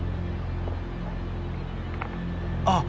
あっ！